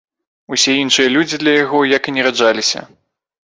Усе іншыя людзі для яго, як і не раджаліся.